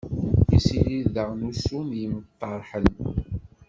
Yessirid daɣen ussu n yimṭarḥen.